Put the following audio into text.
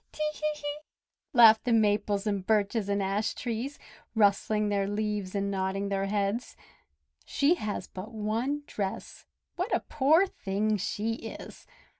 "Te hee!" laughed the Maples and Birches and Ash trees, rustling their leaves and nodding their heads. "She has but one dress! What a poor thing she is!"